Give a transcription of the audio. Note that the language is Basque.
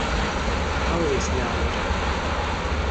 Hauen izena baino ez dute hartzen.